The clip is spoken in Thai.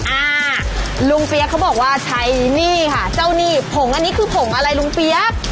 อ่าลุงเปี๊ยกเขาบอกว่าใช้หนี้ค่ะเจ้าหนี้ผงอันนี้คือผงอะไรลุงเปี๊ยก